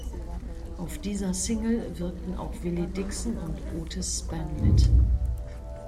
Auf dieser Single wirkten auch Willie Dixon und Otis Spann mit.